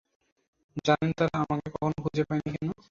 জানেন তারা আমাকে কখনো খুঁজে পায়নি কেন?